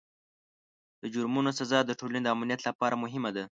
د جرمونو سزا د ټولنې د امنیت لپاره مهمه ده.